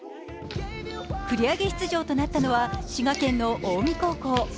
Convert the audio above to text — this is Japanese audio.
繰り上げ出場となったのは滋賀県の近江高校。